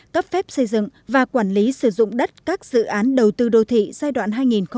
cấp phép xây dựng và quản lý sử dụng đất các dự án đầu tư đô thị giai đoạn hai nghìn một mươi sáu hai nghìn hai mươi